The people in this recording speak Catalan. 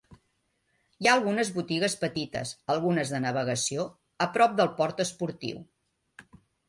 Hi ha algunes botigues petites, algunes de navegació, a prop del port esportiu.